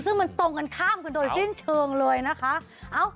ซึ่งมันตรงกันข้ามกันโดยสิ้นเชิงเลยนะคะ